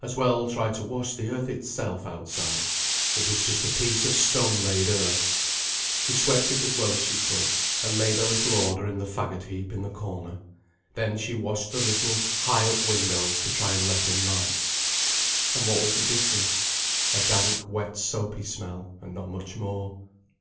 As well try to wash the earth itself outside. It was just a piece of stone laid earth. She swept it as well as she could, and made a little order in the faggot heap in the corner. Then she washed the little, high up windows, to try and let in light. And what was the difference? A dank wet soapy smell, and not much more.